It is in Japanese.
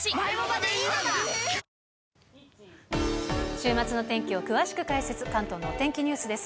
週末の天気を詳しく解説、関東のお天気ニュースです。